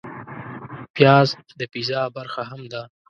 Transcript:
پیاز د پیزا برخه هم ده